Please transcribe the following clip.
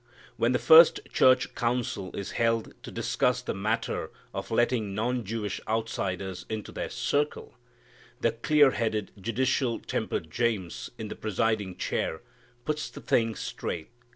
When the first church council is held to discuss the matter of letting non Jewish outsiders into their circle, the clear headed, judicial tempered James, in the presiding chair, puts the thing straight.